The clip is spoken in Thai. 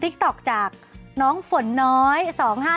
มิชุนา